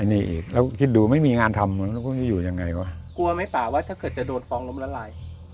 ไอ้นี่ไอะแล้วก็คิดดูไม่มีงานทำก็อยู่ยังไงกว่ากลัวไหมป่าว่าถ้าเกิดจะโดดฟองล้มละลาย